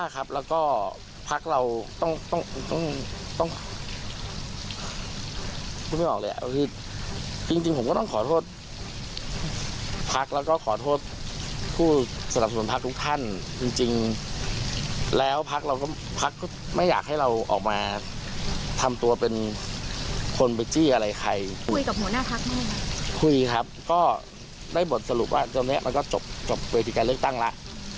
ก็ได้บทสรุปว่าเสริมนี้จบเวติการเลือกตั้งแล้ว